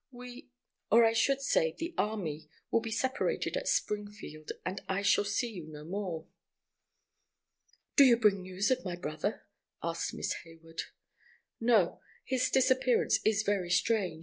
We—or, I should say the army—will be separated at Springfield, and I shall see you no more." "Do you bring news of my brother?" asked Miss Hayward. "No! His disappearance is very strange.